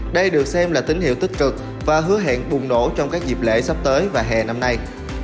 đây được xem là tín hiệu tích cực và hứa hẹn bùng nổ trong các dịp lễ sắp tới và hè năm nay